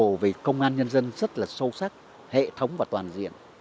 tư tưởng của bác hồ về công an nhân dân rất là sâu sắc hệ thống và toàn diện